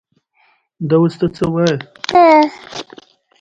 افغانستان کې پکتیا د خلکو د خوښې وړ ځای دی.